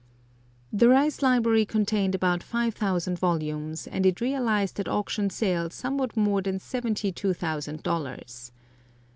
The Rice library contained about five thousand volumes, and it realized at auction sale somewhat more than seventy two thousand dollars.